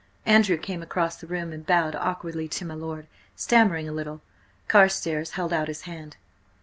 Andrew came across the room and bowed awkwardly to my lord, stammering a little. Carstares held out his hand.